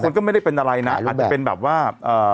บางคนก็ไม่ได้เป็นอะไรนะอาจจะเป็นแบบว่า